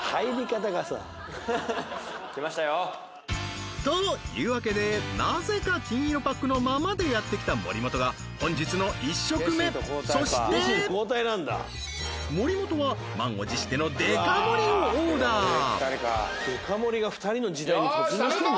何それ？というわけでなぜか金色パックのままでやって来た森本が本日の１食目そして森本は満を持してのデカ盛をオーダーデカ盛が２人の時代に突入してんの？